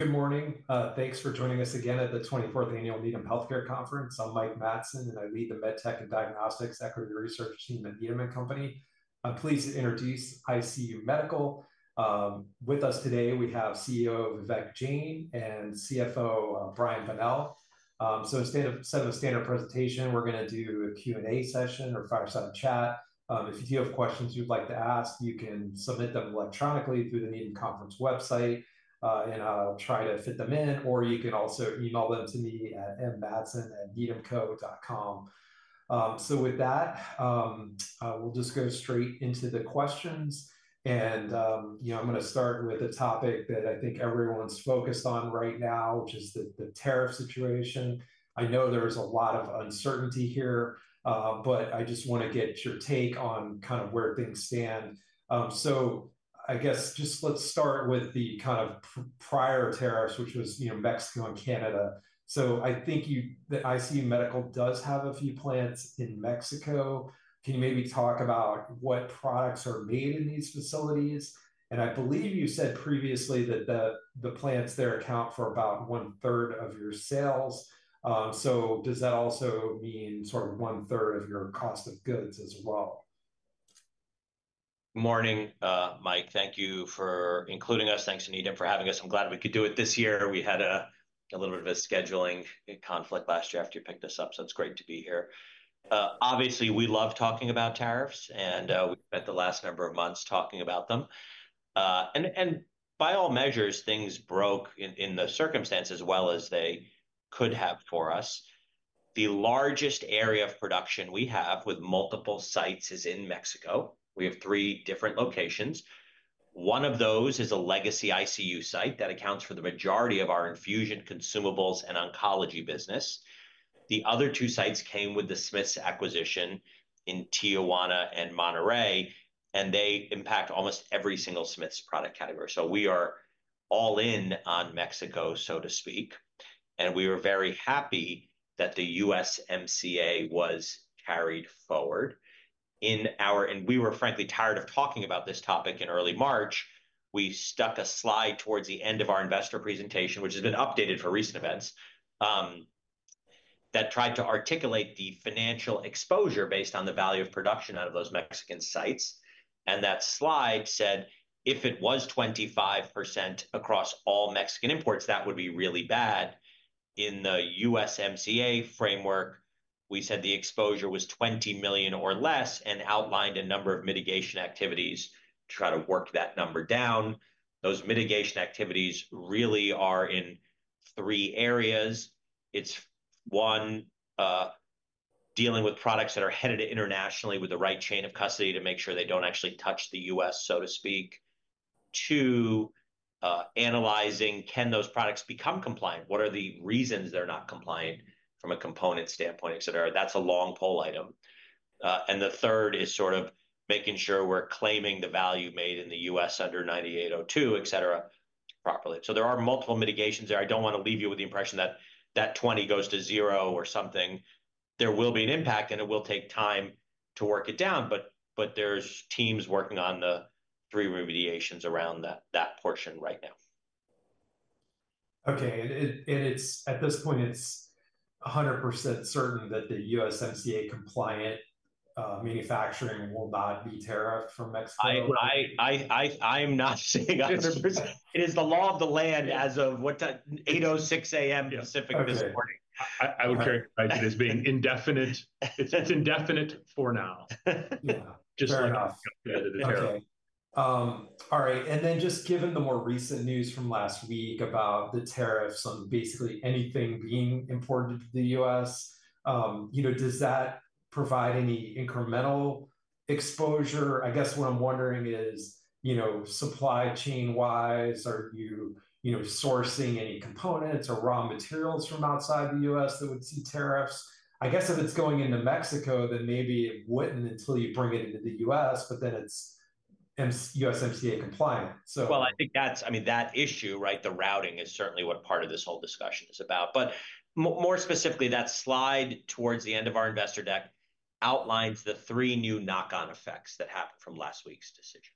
Good morning. Thanks for joining us again at the 24th Annual Needham Healthcare Conference. I'm Mike Matson, and I lead the MedTech and Diagnostics Equity Research Team at Needham & Company. I'm pleased to introduce ICU Medical. With us today, we have CEO Vivek Jain and CFO Brian Bonnell. Instead of a standard presentation, we're going to do a Q&A session or fireside chat. If you do have questions you'd like to ask, you can submit them electronically through the Needham Conference website, and I'll try to fit them in, or you can also email them to me at mmatson@needhamco.com. With that, we'll just go straight into the questions. I'm going to start with a topic that I think everyone's focused on right now, which is the tariff situation. I know there's a lot of uncertainty here, but I just want to get your take on kind of where things stand. I guess just let's start with the kind of prior tariffs, which was Mexico and Canada. I think that ICU Medical does have a few plants in Mexico. Can you maybe talk about what products are made in these facilities? I believe you said previously that the plants there account for about one-third of your sales. Does that also mean sort of one-third of your cost of goods as well? Good morning, Mike. Thank you for including us. Thanks to Needham for having us. I'm glad we could do it this year. We had a little bit of a scheduling conflict last year after you picked us up, so it's great to be here. Obviously, we love talking about tariffs, and we spent the last number of months talking about them. By all measures, things broke in the circumstances as well as they could have for us. The largest area of production we have with multiple sites is in Mexico. We have three different locations. One of those is a legacy ICU site that accounts for the majority of our infusion consumables and oncology business. The other two sites came with the Smiths acquisition in Tijuana and Monterrey, and they impact almost every single Smiths product category. We are all in on Mexico, so to speak. We were very happy that MCA was carried forward. We were, frankly, tired of talking about this topic in early March. We stuck a slide towards the end of our investor presentation, which has been updated for recent events, that tried to articulate the financial exposure based on the value of production out of those Mexican sites. That slide said, if it was 25% across all Mexican imports, that would be really bad. In the USMCA framework, we said the exposure was $20 million or less and outlined a number of mitigation activities to try to work that number down. Those mitigation activities really are in three areas. It is one, dealing with products that are headed internationally with the right chain of custody to make sure they do not actually touch the U.S., so to speak. Two, analyzing, can those products become compliant? What are the reasons they're not compliant from a component standpoint, et cetera? That is a long pole item. The third is sort of making sure we're claiming the value made in the U.S. under 9802, et cetera, properly. There are multiple mitigations there. I do not want to leave you with the impression that that 20 goes to zero or something. There will be an impact, and it will take time to work it down, but there are teams working on the three remediations around that portion right now. Okay. At this point, it's 100% certain that the USMCA compliant manufacturing will not be tariffed from Mexico? I am not seeing 100%. It is the law of the land as of what time? 8:06 A.M. Pacific this morning. I would characterize it as being indefinite. It's indefinite for now. Yeah. Just right off the end of the tariff. Okay. All right. Just given the more recent news from last week about the tariffs on basically anything being imported to the U.S., does that provide any incremental exposure? I guess what I'm wondering is, supply chain-wise, are you sourcing any components or raw materials from outside the U.S. that would see tariffs? I guess if it's going into Mexico, then maybe it wouldn't until you bring it into the U.S., but then it's USMCA compliant. I think that's, I mean, that issue, right, the routing is certainly what part of this whole discussion is about. More specifically, that slide towards the end of our investor deck outlines the three new knock-on effects that happened from last week's decision.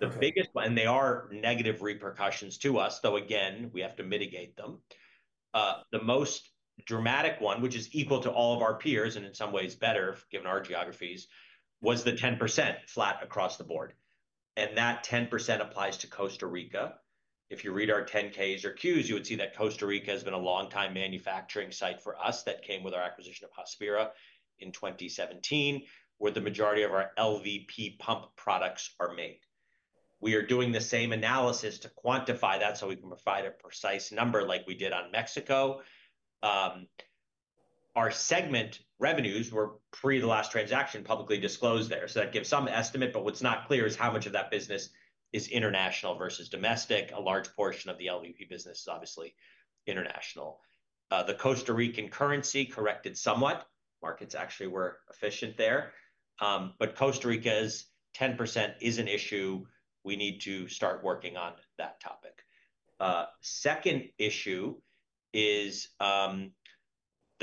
The biggest one, and they are negative repercussions to us, though, again, we have to mitigate them. The most dramatic one, which is equal to all of our peers and in some ways better given our geographies, was the 10% flat across the board. That 10% applies to Costa Rica. If you read our 10 Ks or Qs, you would see that Costa Rica has been a long-time manufacturing site for us that came with our acquisition of Hospira in 2017, where the majority of our LVP pump products are made. We are doing the same analysis to quantify that so we can provide a precise number like we did on Mexico. Our segment revenues were pre the last transaction publicly disclosed there. That gives some estimate, but what's not clear is how much of that business is international versus domestic. A large portion of the LVP business is obviously international. The Costa Rican currency corrected somewhat. Markets actually were efficient there. Costa Rica's 10% is an issue. We need to start working on that topic. The second issue is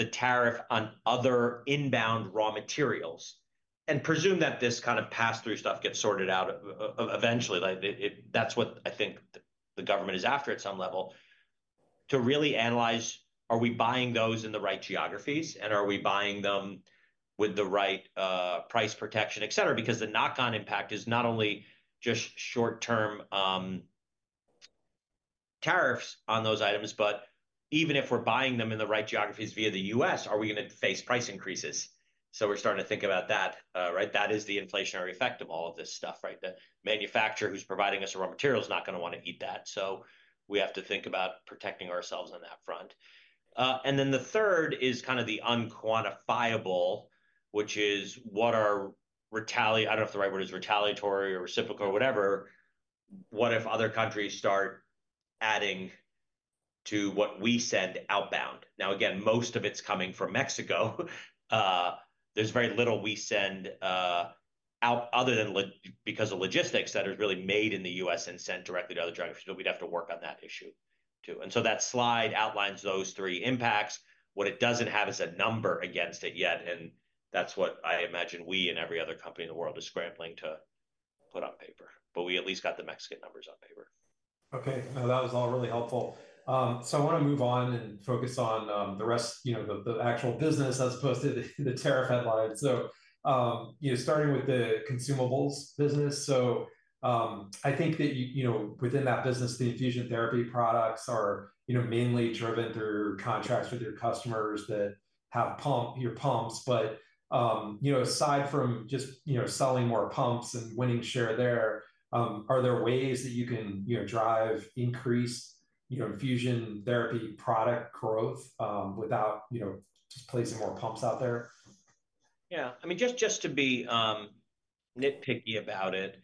the tariff on other inbound raw materials. I presume that this kind of pass-through stuff gets sorted out eventually. That is what I think the government is after at some level, to really analyze, are we buying those in the right geographies, and are we buying them with the right price protection, et cetera? Because the knock-on impact is not only just short-term tariffs on those items, but even if we're buying them in the right geographies via the U.S., are we going to face price increases? We're starting to think about that, right? That is the inflationary effect of all of this stuff, right? The manufacturer who's providing us raw materials is not going to want to eat that. We have to think about protecting ourselves on that front. The third is kind of the unquantifiable, which is what our retaliation—I don't know if the right word is retaliatory or reciprocal or whatever—what if other countries start adding to what we send outbound? Again, most of it's coming from Mexico. There's very little we send out other than because of logistics that is really made in the U.S. and sent directly to other geographies. We'd have to work on that issue too. That slide outlines those three impacts. What it does not have is a number against it yet. That is what I imagine we and every other company in the world is scrambling to put on paper. We at least got the Mexican numbers on paper. Okay. No, that was all really helpful. I want to move on and focus on the rest, the actual business as opposed to the tariff headlines. Starting with the consumables business, I think that within that business, the infusion therapy products are mainly driven through contracts with your customers that have your pumps. Aside from just selling more pumps and winning share there, are there ways that you can drive increased infusion therapy product growth without just placing more pumps out there? Yeah. I mean, just to be nitpicky about it,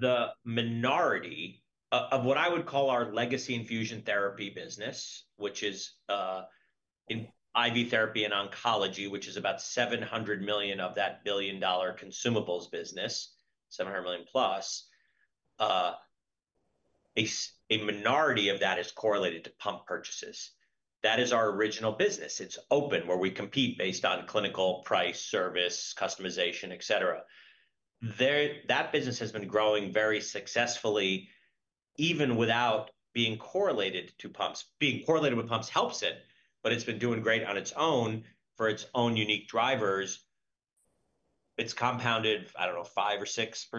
the minority of what I would call our legacy infusion therapy business, which is IV therapy and oncology, which is about $700 million of that billion-dollar consumables business, $700 million plus, a minority of that is correlated to pump purchases. That is our original business. It's open where we compete based on clinical price, service, customization, et cetera. That business has been growing very successfully even without being correlated to pumps. Being correlated with pumps helps it, but it's been doing great on its own for its own unique drivers. It's compounded, I don't know, 5% or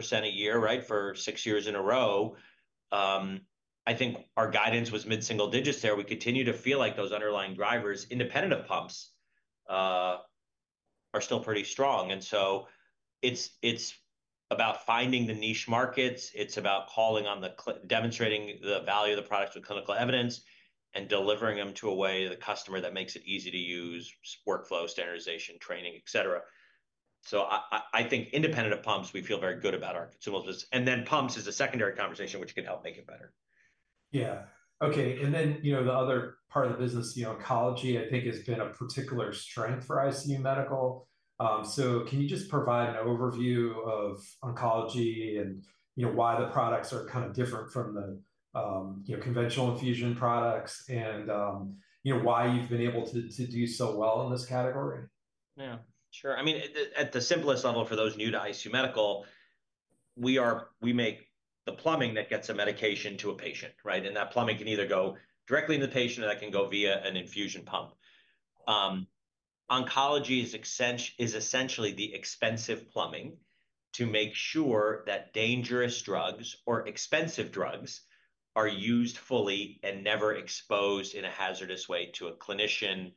6% a year, right, for six years in a row. I think our guidance was mid-single digits there. We continue to feel like those underlying drivers independent of pumps are still pretty strong. It's about finding the niche markets. It's about calling on the demonstrating the value of the products with clinical evidence and delivering them to a way of the customer that makes it easy to use: workflow, standardization, training, et cetera. I think independent of pumps, we feel very good about our consumables. Pumps is a secondary conversation, which can help make it better. Yeah. Okay. The other part of the business, oncology, I think has been a particular strength for ICU Medical. Can you just provide an overview of oncology and why the products are kind of different from the conventional infusion products and why you've been able to do so well in this category? Yeah. Sure. I mean, at the simplest level for those new to ICU Medical, we make the plumbing that gets a medication to a patient, right? That plumbing can either go directly to the patient or that can go via an infusion pump. Oncology is essentially the expensive plumbing to make sure that dangerous drugs or expensive drugs are used fully and never exposed in a hazardous way to a clinician,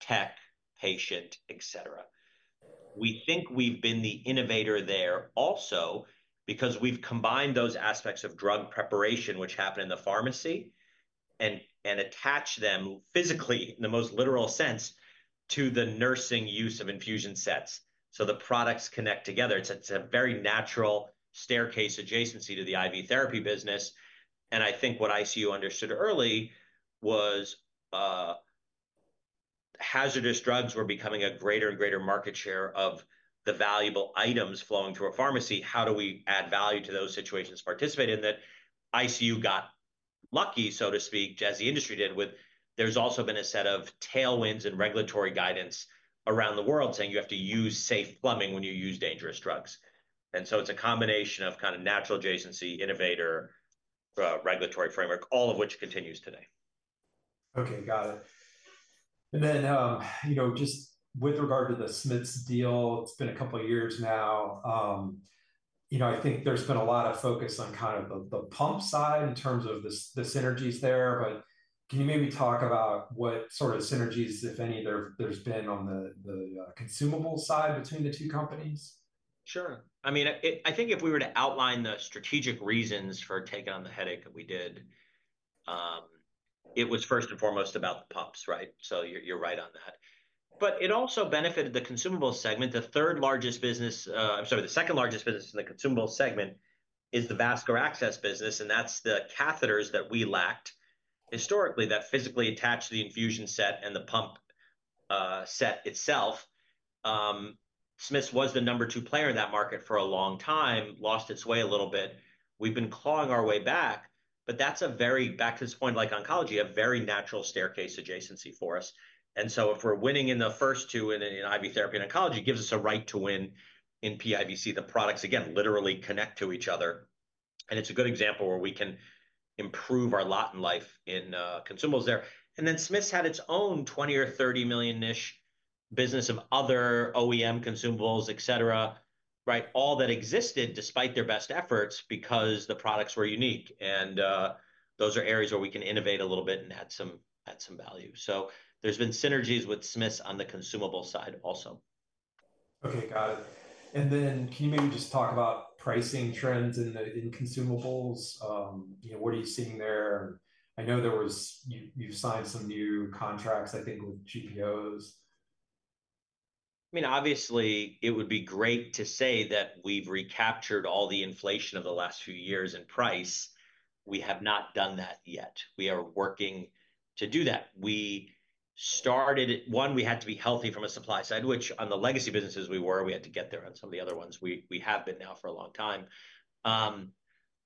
tech, patient, et cetera. We think we've been the innovator there also because we've combined those aspects of drug preparation, which happen in the pharmacy, and attach them physically, in the most literal sense, to the nursing use of infusion sets. The products connect together. It's a very natural staircase adjacency to the IV therapy business. I think what ICU understood early was hazardous drugs were becoming a greater and greater market share of the valuable items flowing to a pharmacy. How do we add value to those situations, participate in that? ICU got lucky, so to speak, as the industry did, with there's also been a set of tailwinds and regulatory guidance around the world saying you have to use safe plumbing when you use dangerous drugs. It is a combination of kind of natural adjacency, innovator, regulatory framework, all of which continues today. Okay. Got it. With regard to the Smiths deal, it's been a couple of years now. I think there's been a lot of focus on kind of the pump side in terms of the synergies there. Can you maybe talk about what sort of synergies, if any, there's been on the consumable side between the two companies? Sure. I mean, I think if we were to outline the strategic reasons for taking on the headache that we did, it was first and foremost about the pumps, right? You are right on that. It also benefited the consumable segment. The third largest business—I am sorry, the second largest business in the consumable segment is the vascular access business. That is the catheters that we lacked historically that physically attach the infusion set and the pump set itself. Smiths was the number two player in that market for a long time, lost its way a little bit. We have been clawing our way back, but that is a very—back to this point, like oncology, a very natural staircase adjacency for us. If we are winning in the first two in IV therapy and oncology, it gives us a right to win in PIVC. The products, again, literally connect to each other. It is a good example where we can improve our lot in life in consumables there. Smiths had its own $20 million-$30 million business of other OEM consumables, et cetera, right? All that existed despite their best efforts because the products were unique. Those are areas where we can innovate a little bit and add some value. There have been synergies with Smiths on the consumable side also. Okay. Got it. Can you maybe just talk about pricing trends in consumables? What are you seeing there? I know you've signed some new contracts, I think, with GPOs. I mean, obviously, it would be great to say that we've recaptured all the inflation of the last few years in price. We have not done that yet. We are working to do that. One, we had to be healthy from a supply side, which on the legacy businesses we were, we had to get there on some of the other ones. We have been now for a long time.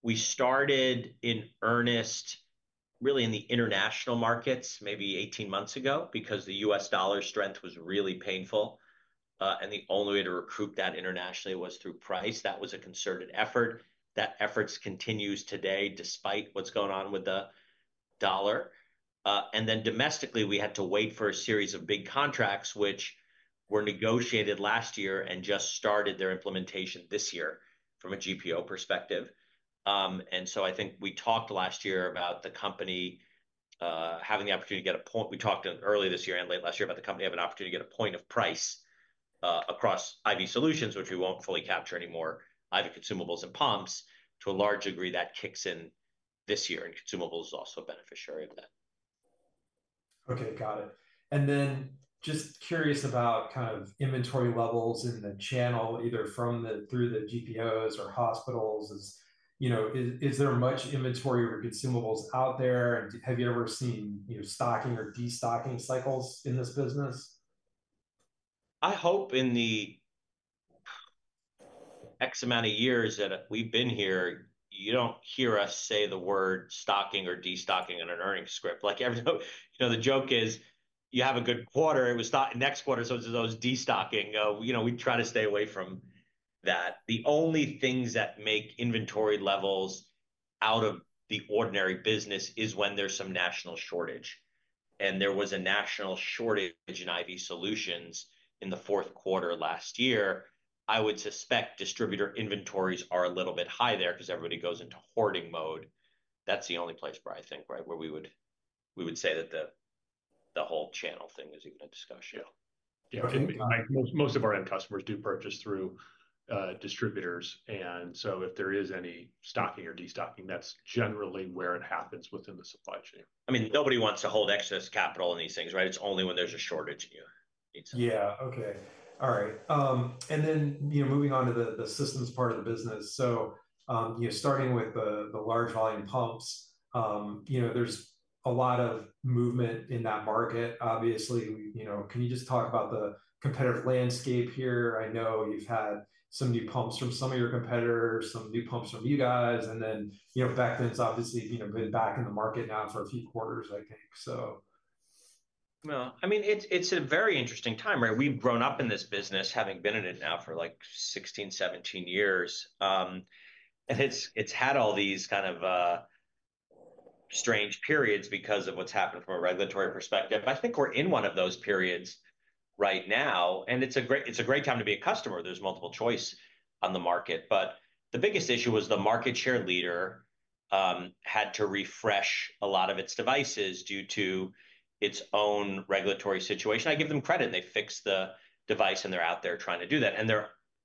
We started in earnest, really in the international markets, maybe 18 months ago because the U.S. dollar strength was really painful. The only way to recoup that internationally was through price. That was a concerted effort. That effort continues today despite what is going on with the dollar. Domestically, we had to wait for a series of big contracts, which were negotiated last year and just started their implementation this year from a GPO perspective. I think we talked last year about the company having the opportunity to get a point. We talked early this year and late last year about the company having the opportunity to get a point of price across IV solutions, which we won't fully capture anymore, IV consumables and pumps. To a large degree, that kicks in this year, and consumables are also a beneficiary of that. Okay. Got it. Just curious about kind of inventory levels in the channel, either through the GPOs or hospitals. Is there much inventory or consumables out there? Have you ever seen stocking or destocking cycles in this business? I hope in the X amount of years that we've been here, you don't hear us say the word stocking or destocking in an earnings script. The joke is you have a good quarter, it was stocking, next quarter, so it's those destocking. We try to stay away from that. The only things that make inventory levels out of the ordinary business is when there's some national shortage. And there was a national shortage in IV solutions in the fourth quarter last year. I would suspect distributor inventories are a little bit high there because everybody goes into hoarding mode. That's the only place where I think, right, where we would say that the whole channel thing is even a discussion. Yeah. Yeah. Most of our end customers do purchase through distributors. If there is any stocking or destocking, that's generally where it happens within the supply chain. I mean, nobody wants to hold excess capital in these things, right? It's only when there's a shortage in you. Yeah. Okay. All right. Moving on to the systems part of the business. Starting with the large volume pumps, there's a lot of movement in that market, obviously. Can you just talk about the competitive landscape here? I know you've had some new pumps from some of your competitors, some new pumps from you guys. Back then, it's obviously been back in the market now for a few quarters, I think. I mean, it's a very interesting time, right? We've grown up in this business, having been in it now for like 16, 17 years. And it's had all these kind of strange periods because of what's happened from a regulatory perspective. I think we're in one of those periods right now. It's a great time to be a customer. There's multiple choices on the market. The biggest issue was the market share leader had to refresh a lot of its devices due to its own regulatory situation. I give them credit. They fix the device, and they're out there trying to do that. They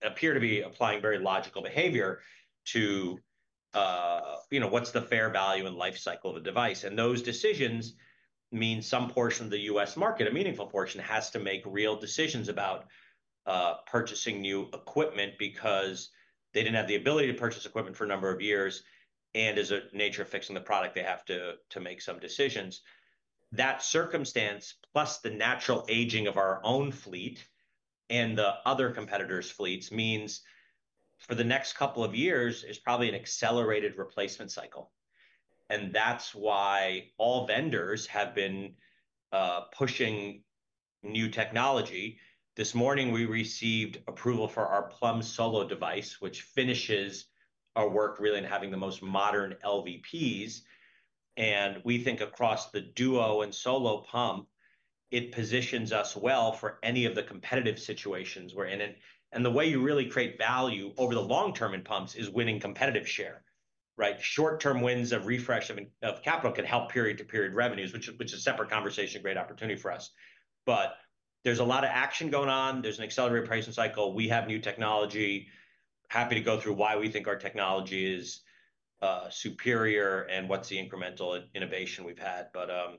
appear to be applying very logical behavior to what's the fair value and life cycle of a device. Those decisions mean some portion of the U.S. market, a meaningful portion, has to make real decisions about purchasing new equipment because they did not have the ability to purchase equipment for a number of years. As a nature of fixing the product, they have to make some decisions. That circumstance, plus the natural aging of our own fleet and the other competitors' fleets, means for the next couple of years is probably an accelerated replacement cycle. That is why all vendors have been pushing new technology. This morning, we received approval for our Plum Solo device, which finishes our work really in having the most modern LVPs. We think across the Duo and Solo pump, it positions us well for any of the competitive situations we are in. The way you really create value over the long term in pumps is winning competitive share, right? Short-term wins of refresh of capital can help period-to-period revenues, which is a separate conversation, great opportunity for us. There is a lot of action going on. There is an accelerated pricing cycle. We have new technology. Happy to go through why we think our technology is superior and what is the incremental innovation we have had. It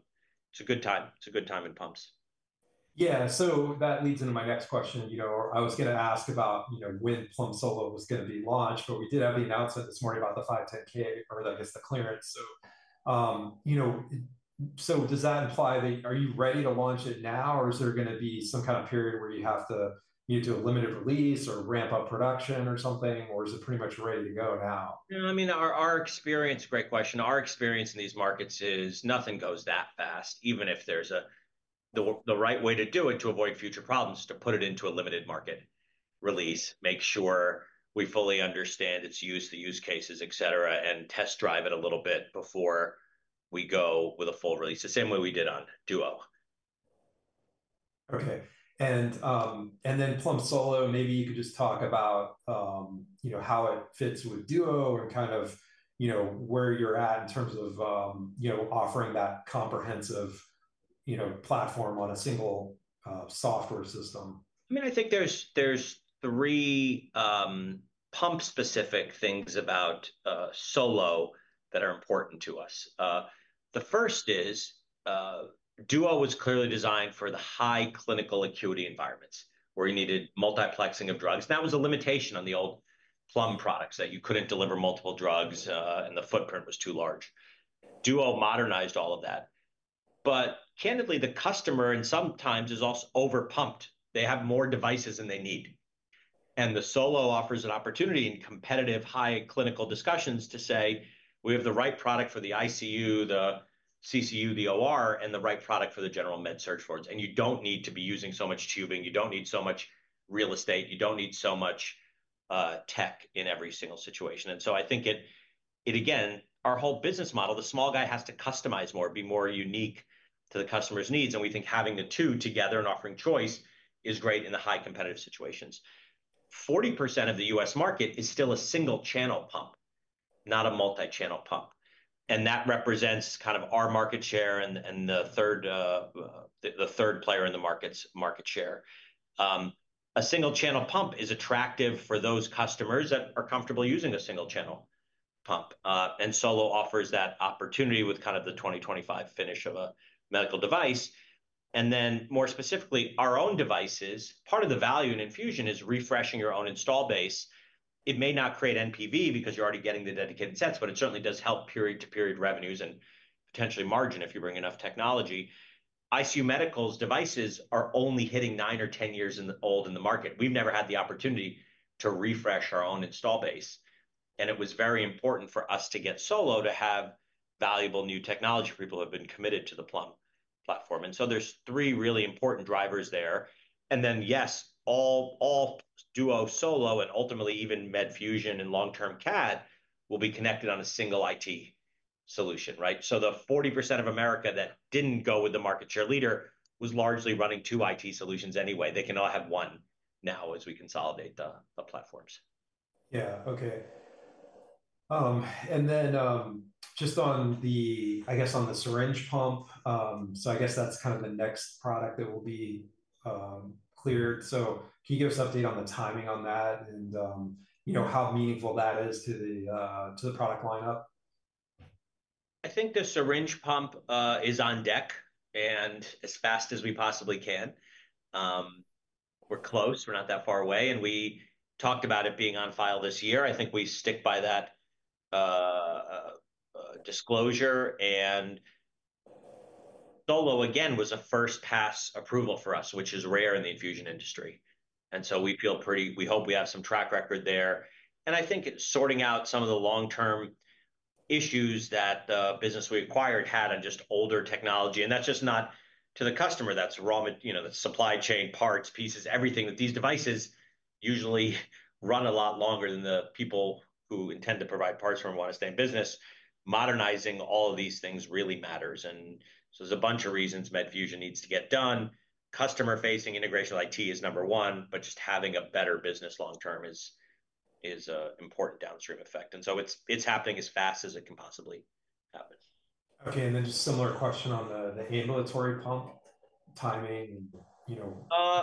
is a good time. It is a good time in pumps. Yeah. That leads into my next question. I was going to ask about when Plum Solo was going to be launched, but we did have the announcement this morning about the 510K, or, I guess, the clearance. Does that imply that are you ready to launch it now, or is there going to be some kind of period where you have to do a limited release or ramp up production or something, or is it pretty much ready to go now? I mean, our experience—great question. Our experience in these markets is nothing goes that fast, even if there's the right way to do it to avoid future problems, to put it into a limited market release, make sure we fully understand its use, the use cases, et cetera, and test drive it a little bit before we go with a full release, the same way we did on Duo. Okay. And then Plum Solo, maybe you could just talk about how it fits with Duo and kind of where you're at in terms of offering that comprehensive platform on a single software system. I mean, I think there's three pump-specific things about Solo that are important to us. The first is Duo was clearly designed for the high clinical acuity environments where you needed multiplexing of drugs. That was a limitation on the old Plum products that you couldn't deliver multiple drugs, and the footprint was too large. Duo modernized all of that. Candidly, the customer sometimes is also overpumped. They have more devices than they need. The Solo offers an opportunity in competitive high clinical discussions to say, "We have the right product for the ICU, the CCU, the OR, and the right product for the general med-surg floors." You don't need to be using so much tubing. You don't need so much real estate. You don't need so much tech in every single situation. I think it, again, our whole business model, the small guy has to customize more, be more unique to the customer's needs. We think having the two together and offering choice is great in the high competitive situations. 40% of the U.S. market is still a single channel pump, not a multi-channel pump. That represents kind of our market share and the third player in the market's market share. A single channel pump is attractive for those customers that are comfortable using a single channel pump. Solo offers that opportunity with kind of the 2025 finish of a medical device. More specifically, our own devices, part of the value in infusion is refreshing your own install base. It may not create NPV because you're already getting the dedicated sets, but it certainly does help period-to-period revenues and potentially margin if you bring enough technology. ICU Medical's devices are only hitting 9 or 10 years old in the market. We've never had the opportunity to refresh our own install base. It was very important for us to get Solo to have valuable new technology for people who have been committed to the Plum platform. There are three really important drivers there. Yes, all Duo, Solo, and ultimately even Medfusion and long-term CADD will be connected on a single IT solution, right? The 40% of America that didn't go with the market share leader was largely running two IT solutions anyway. They can all have one now as we consolidate the platforms. Yeah. Okay. Just on the, I guess, on the syringe pump, so I guess that's kind of the next product that will be cleared. Can you give us an update on the timing on that and how meaningful that is to the product lineup? I think the syringe pump is on deck and as fast as we possibly can. We're close. We're not that far away. And we talked about it being on file this year. I think we stick by that disclosure. Solo, again, was a first-pass approval for us, which is rare in the infusion industry. We feel pretty—we hope we have some track record there. I think sorting out some of the long-term issues that the business we acquired had on just older technology. That is just not to the customer. That is supply chain parts, pieces, everything. These devices usually run a lot longer than the people who intend to provide parts for them want to stay in business. Modernizing all of these things really matters. There is a bunch of reasons Medfusion needs to get done. Customer-facing integration of IT is number one, but just having a better business long-term is an important downstream effect. It is happening as fast as it can possibly happen. Okay. Just a similar question on the ambulatory pump timing.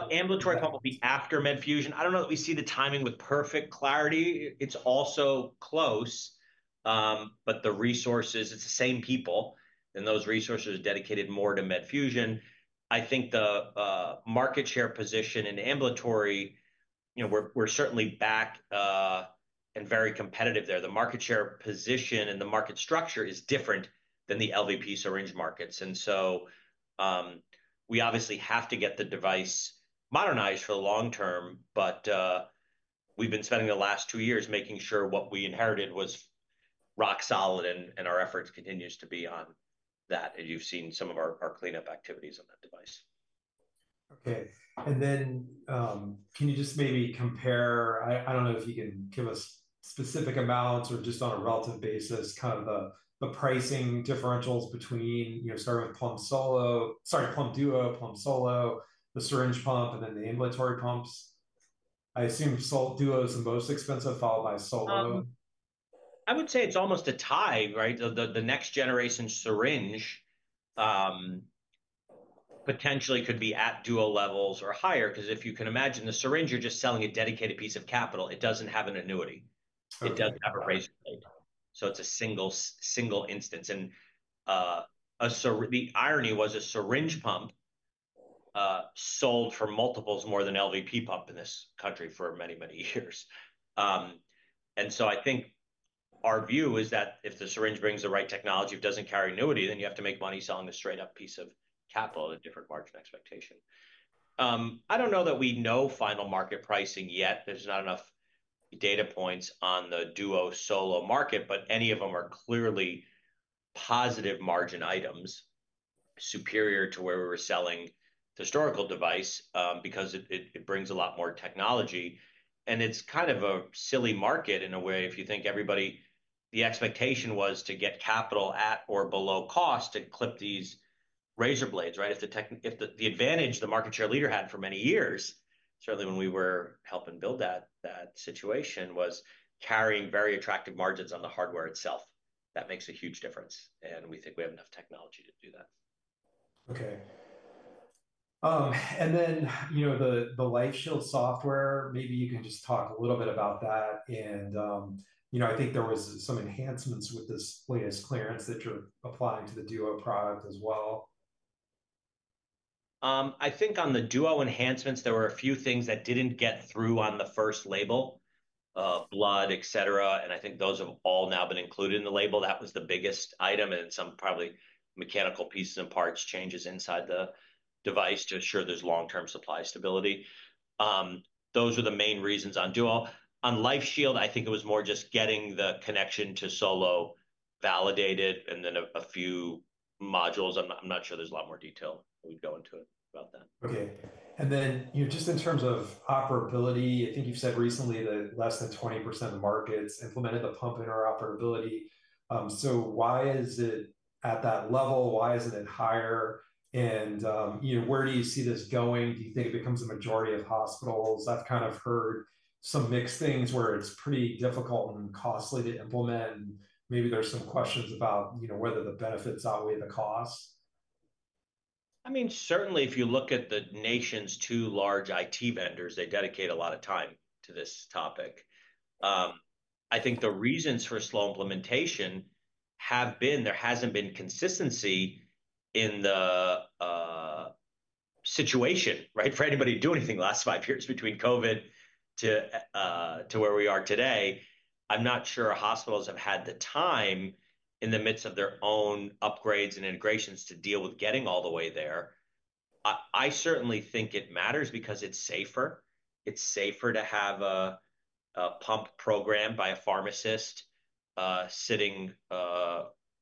Ambulatory pump will be after Medfusion. I don't know that we see the timing with perfect clarity. It's also close, but the resources—it's the same people, and those resources are dedicated more to Medfusion. I think the market share position in ambulatory, we're certainly back and very competitive there. The market share position and the market structure is different than the LVP syringe markets. We obviously have to get the device modernized for the long term, but we've been spending the last two years making sure what we inherited was rock solid, and our efforts continue to be on that. You have seen some of our cleanup activities on that device. Okay. Can you just maybe compare—I do not know if you can give us specific amounts or just on a relative basis—kind of the pricing differentials between starting with Plum Solo—sorry, Plum Duo, Plum Solo, the Syringe Pump, and then the ambulatory pumps. I assume Duo is the most expensive, followed by Solo. I would say it's almost a tie, right? The next generation syringe potentially could be at Duo levels or higher because if you can imagine the syringe, you're just selling a dedicated piece of capital. It doesn't have an annuity. It doesn't have a raise. So it's a single instance. The irony was a syringe pump sold for multiples more than LVP pump in this country for many, many years. I think our view is that if the syringe brings the right technology, if it doesn't carry annuity, then you have to make money selling a straight-up piece of capital at a different margin expectation. I don't know that we know final market pricing yet. There's not enough data points on the Duo Solo market, but any of them are clearly positive margin items superior to where we were selling the historical device because it brings a lot more technology. It's kind of a silly market in a way if you think everybody—the expectation was to get capital at or below cost to clip these razor blades, right? The advantage the market share leader had for many years, certainly when we were helping build that situation, was carrying very attractive margins on the hardware itself. That makes a huge difference. We think we have enough technology to do that. Okay. The LifeShield software, maybe you can just talk a little bit about that. I think there were some enhancements with this latest clearance that you're applying to the Duo product as well. I think on the Duo enhancements, there were a few things that didn't get through on the first label: blood, et cetera. I think those have all now been included in the label. That was the biggest item. Some probably mechanical pieces and parts changes inside the device to assure there's long-term supply stability. Those were the main reasons on Duo. On LifeShield, I think it was more just getting the connection to Solo validated and then a few modules. I'm not sure there's a lot more detail. We'd go into it about that. Okay. In terms of operability, I think you've said recently that less than 20% of the markets implemented the pump in our operability. Why is it at that level? Why isn't it higher? Where do you see this going? Do you think it becomes a majority of hospitals? I've kind of heard some mixed things where it's pretty difficult and costly to implement. Maybe there's some questions about whether the benefits outweigh the cost. I mean, certainly, if you look at the nation's two large IT vendors, they dedicate a lot of time to this topic. I think the reasons for slow implementation have been there hasn't been consistency in the situation, right? For anybody to do anything the last five years between COVID to where we are today, I'm not sure hospitals have had the time in the midst of their own upgrades and integrations to deal with getting all the way there. I certainly think it matters because it's safer. It's safer to have a pump program by a pharmacist sitting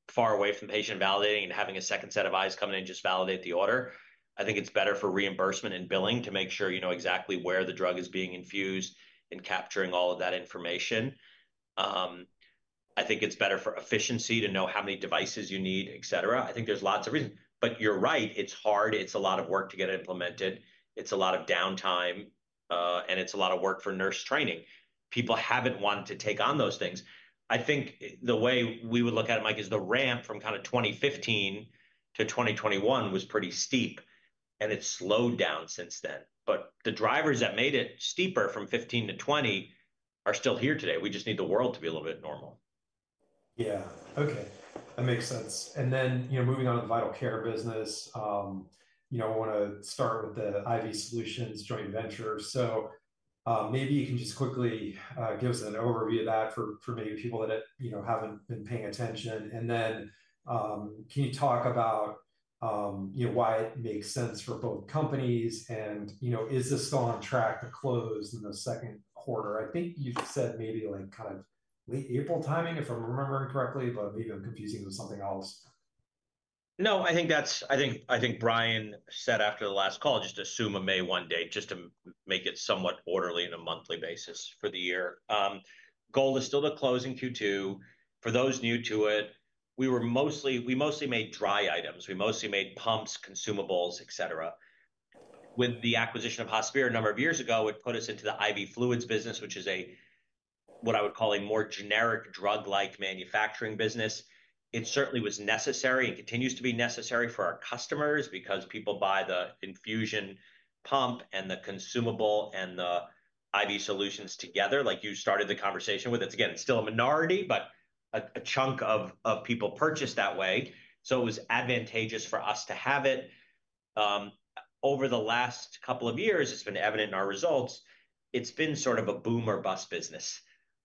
far away from the patient validating and having a second set of eyes come in and just validate the order. I think it's better for reimbursement and billing to make sure you know exactly where the drug is being infused and capturing all of that information. I think it's better for efficiency to know how many devices you need, et cetera. I think there's lots of reasons. You're right. It's hard. It's a lot of work to get it implemented. It's a lot of downtime, and it's a lot of work for nurse training. People haven't wanted to take on those things. I think the way we would look at it, Mike, is the ramp from kind of 2015 to 2021 was pretty steep, and it's slowed down since then. The drivers that made it steeper from 2015 to 2020 are still here today. We just need the world to be a little bit normal. Yeah. Okay. That makes sense. Moving on to the vital care business, we want to start with the IV Solutions Joint Venture. Maybe you can just quickly give us an overview of that for maybe people that haven't been paying attention. Can you talk about why it makes sense for both companies? Is this still on track to close in the second quarter? I think you said maybe kind of late April timing, if I'm remembering correctly, but maybe I'm confusing it with something else. No, I think Brian said after the last call, just assume a May 1 date just to make it somewhat orderly on a monthly basis for the year. Goal is still to close in Q2. For those new to it, we mostly made dry items. We mostly made pumps, consumables, et cetera. With the acquisition of Hospira a number of years ago, it put us into the IV fluids business, which is what I would call a more generic drug-like manufacturing business. It certainly was necessary and continues to be necessary for our customers because people buy the infusion pump and the consumable and the IV solutions together. Like you started the conversation with, it's again, it's still a minority, but a chunk of people purchase that way. It was advantageous for us to have it. Over the last couple of years, it's been evident in our results. It's been sort of a boom or bust business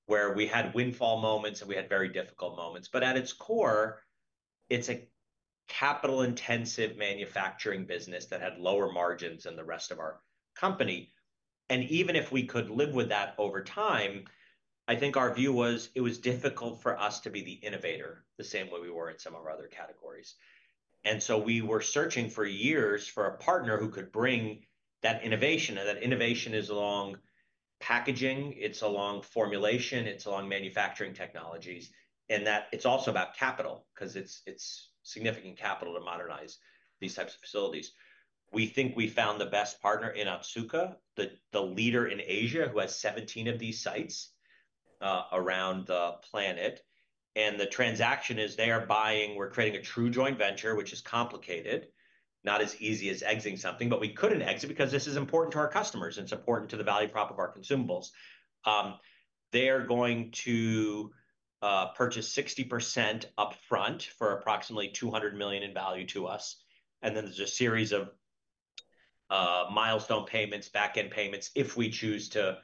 where we had windfall moments and we had very difficult moments. At its core, it's a capital-intensive manufacturing business that had lower margins than the rest of our company. Even if we could live with that over time, I think our view was it was difficult for us to be the innovator the same way we were in some of our other categories. We were searching for years for a partner who could bring that innovation. That innovation is along packaging. It's along formulation. It's along manufacturing technologies. It's also about capital because it's significant capital to modernize these types of facilities. We think we found the best partner in Otsuka, the leader in Asia who has 17 of these sites around the planet. The transaction is they are buying. We're creating a true joint venture, which is complicated, not as easy as exiting something, but we couldn't exit because this is important to our customers. It's important to the value prop of our consumables. They are going to purchase 60% upfront for approximately $200 million in value to us. And then there's a series of milestone payments, back-end payments if we choose to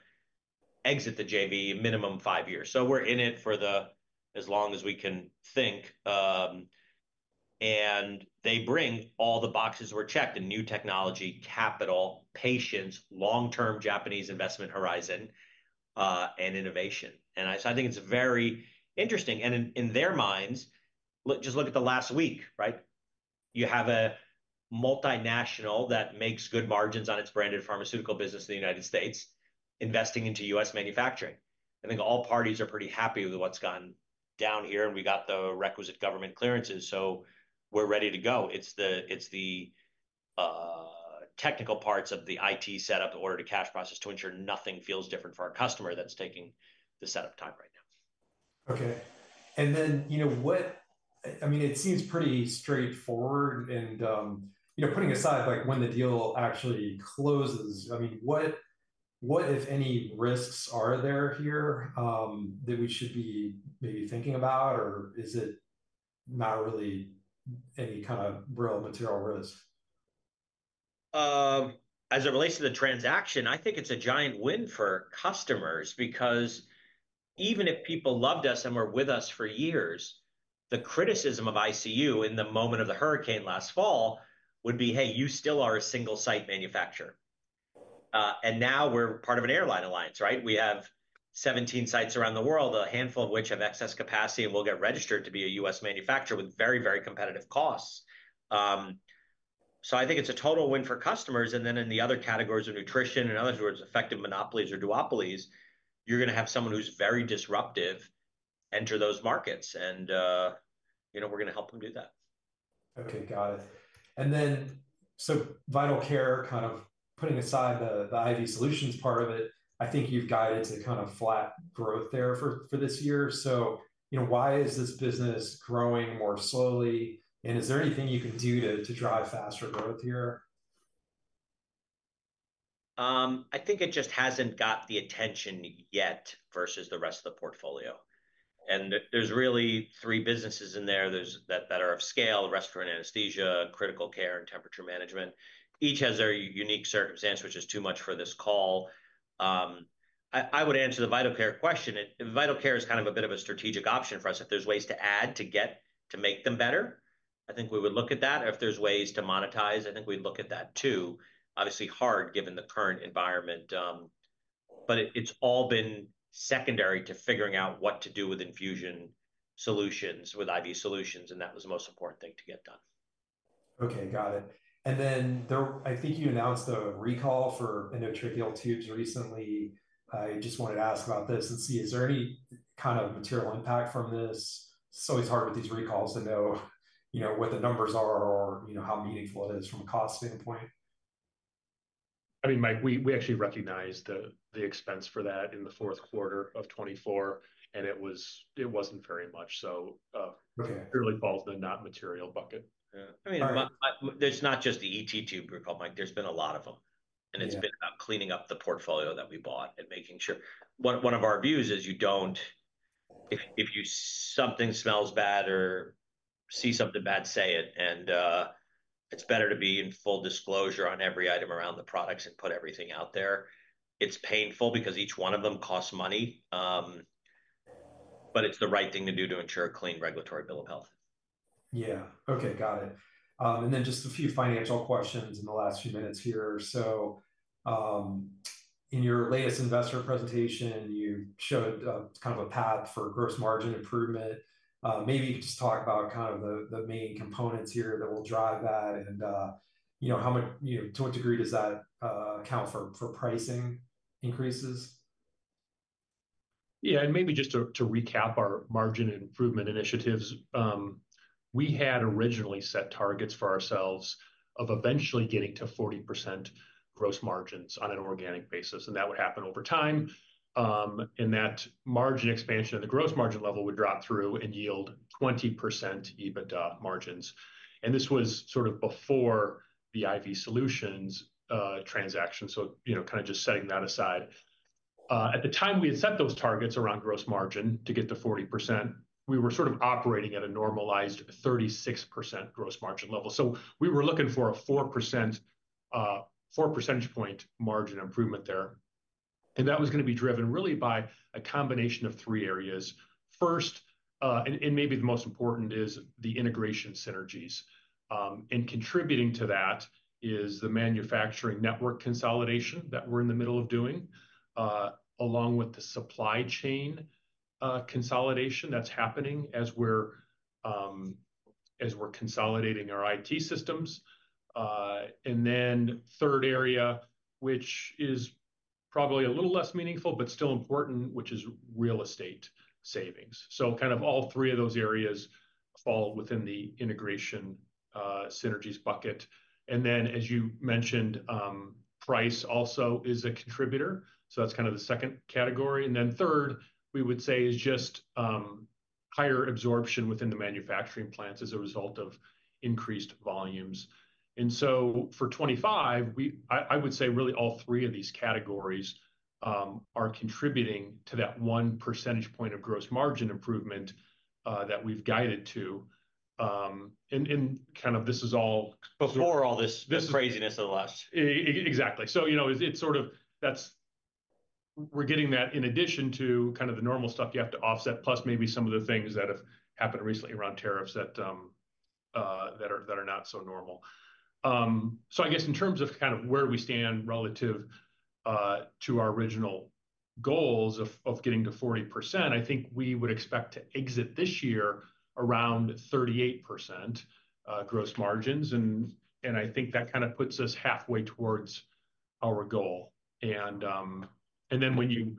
exit the JV, minimum five years. We're in it for as long as we can think. They bring all the boxes were checked: new technology, capital, patience, long-term Japanese investment horizon, and innovation. I think it's very interesting. In their minds, just look at the last week, right? You have a multinational that makes good margins on its branded pharmaceutical business in the U.S. investing into U.S. manufacturing.. I think all parties are pretty happy with what's gone down here, and we got the requisite government clearances. We are ready to go. It's the technical parts of the IT setup, the order-to-cash process to ensure nothing feels different for our customer that's taking the setup time right now. Okay. I mean, it seems pretty straightforward. Putting aside when the deal actually closes, I mean, what, if any, risks are there here that we should be maybe thinking about, or is it not really any kind of real material risk? As it relates to the transaction, I think it's a giant win for customers because even if people loved us and were with us for years, the criticism of ICU in the moment of the hurricane last fall would be, "Hey, you still are a single-site manufacturer." Now we're part of an airline alliance, right? We have 17 sites around the world, a handful of which have excess capacity, and we'll get registered to be a U.S. manufacturer with very, very competitive costs. I think it's a total win for customers. In the other categories of nutrition, in other words, effective monopolies or duopolies, you're going to have someone who's very disruptive enter those markets. We're going to help them do that. Okay. Got it. Vital care, kind of putting aside the IV solutions part of it, I think you've guided to kind of flat growth there for this year. Why is this business growing more slowly? Is there anything you can do to drive faster growth here? I think it just hasn't got the attention yet versus the rest of the portfolio. There are really three businesses in there that are of scale: restaurant anesthesia, critical care, and temperature management. Each has their unique circumstance, which is too much for this call. I would answer the vital care question. Vital care is kind of a bit of a strategic option for us if there's ways to add to make them better. I think we would look at that. If there's ways to monetize, I think we'd look at that too. Obviously hard given the current environment. It has all been secondary to figuring out what to do with infusion solutions with IV solutions, and that was the most important thing to get done. Okay. Got it. I think you announced the recall for endotracheal tubes recently. I just wanted to ask about this and see, is there any kind of material impact from this? It's always hard with these recalls to know what the numbers are or how meaningful it is from a cost standpoint. I mean, Mike, we actually recognized the expense for that in the fourth quarter of 2024, and it wasn't very much. So it clearly falls in the not material bucket. I mean, it's not just the ET tube group, Mike. There's been a lot of them. It's been about cleaning up the portfolio that we bought and making sure. One of our views is if something smells bad or see something bad, say it. It's better to be in full disclosure on every item around the products and put everything out there. It's painful because each one of them costs money, but it's the right thing to do to ensure a clean regulatory bill of health. Yeah. Okay. Got it. Just a few financial questions in the last few minutes here. In your latest investor presentation, you showed kind of a path for gross margin improvement. Maybe you could just talk about kind of the main components here that will drive that and to what degree does that account for pricing increases? Yeah. Maybe just to recap our margin improvement initiatives, we had originally set targets for ourselves of eventually getting to 40% gross margins on an organic basis. That would happen over time. That margin expansion at the gross margin level would drop through and yield 20% EBITDA margins. This was sort of before the IV solutions transaction, just setting that aside. At the time we had set those targets around gross margin to get to 40%, we were sort of operating at a normalized 36% gross margin level. We were looking for a 4 percentage point margin improvement there. That was going to be driven really by a combination of three areas. First, and maybe the most important, is the integration synergies. Contributing to that is the manufacturing network consolidation that we're in the middle of doing, along with the supply chain consolidation that's happening as we're consolidating our IT systems. The third area, which is probably a little less meaningful but still important, is real estate savings. All three of those areas fall within the integration synergies bucket. As you mentioned, price also is a contributor. That's the second category. The third, we would say, is just higher absorption within the manufacturing plants as a result of increased volumes. For 2025, I would say really all three of these categories are contributing to that 1 percentage point of gross margin improvement that we've guided to. This is all. Before all this craziness of the last. Exactly. It is sort of we're getting that in addition to kind of the normal stuff you have to offset, plus maybe some of the things that have happened recently around tariffs that are not so normal. I guess in terms of kind of where we stand relative to our original goals of getting to 40%, I think we would expect to exit this year around 38% gross margins. I think that kind of puts us halfway towards our goal. When you,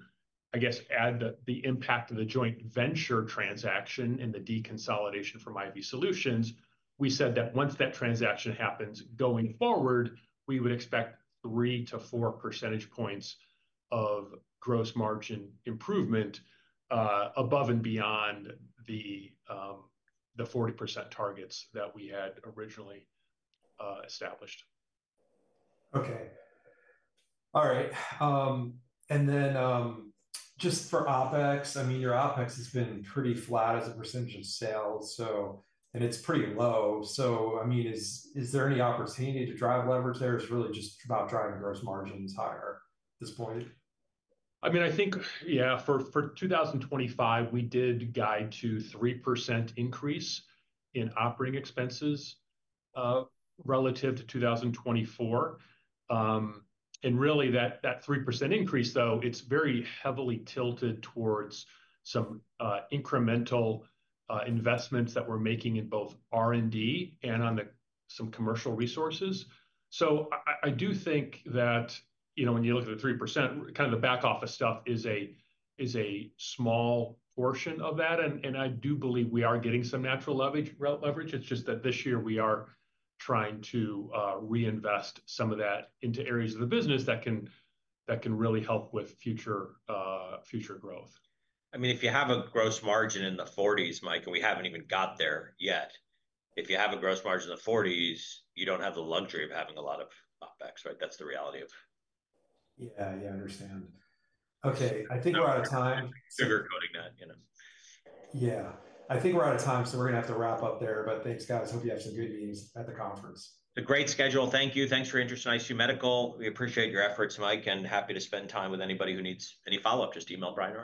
I guess, add the impact of the joint venture transaction and the deconsolidation from IV Solutions, we said that once that transaction happens, going forward, we would expect 3-4 percentage points of gross margin improvement above and beyond the 40% targets that we had originally established. Okay. All right. And then just for OPEX, I mean, your OPEX has been pretty flat as a percentage of sales, and it's pretty low. I mean, is there any opportunity to drive leverage there? It's really just about driving gross margins higher at this point? I mean, I think, yeah, for 2025, we did guide to 3% increase in operating expenses relative to 2024. That 3% increase, though, it's very heavily tilted towards some incremental investments that we're making in both R&D and on some commercial resources. I do think that when you look at the 3%, kind of the back office stuff is a small portion of that. I do believe we are getting some natural leverage. It's just that this year we are trying to reinvest some of that into areas of the business that can really help with future growth. I mean, if you have a gross margin in the 40s, Mike, and we haven't even got there yet, if you have a gross margin in the 40s, you don't have the luxury of having a lot of OPEX, right? That's the reality of. Yeah. Yeah. I understand. Okay. I think we're out of time. Sugar coating that. Yeah. I think we're out of time, so we're going to have to wrap up there. Thanks, guys. Hope you have some good meetings at the conference. A great schedule. Thank you. Thanks for interesting ICU Medical. We appreciate your efforts, Mike, and happy to spend time with anybody who needs any follow-up. Just email Brian.